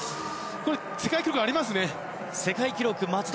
世界記録ありますね。